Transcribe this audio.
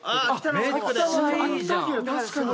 確かに。